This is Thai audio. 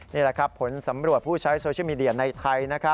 นี่แหละครับผลสำรวจผู้ใช้โซเชียลมีเดียในไทย